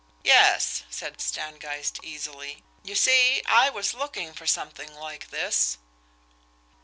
"Yes," said Stangeist easily. "You see I was looking for something like this."